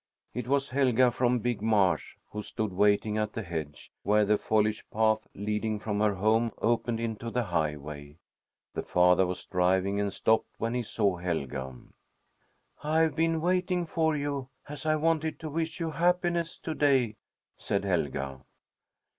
It was Helga from Big Marsh, who stood waiting at the hedge, where the foliage path leading from her home opened into the highway. The father was driving and stopped when he saw Helga. "I have been waiting for you, as I wanted to wish you happiness to day," said Helga.